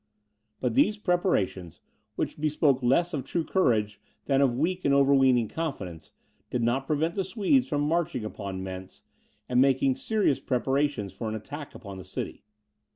But these preparations, which bespoke less of true courage than of weak and overweening confidence, did not prevent the Swedes from marching against Mentz, and making serious preparations for an attack upon the city.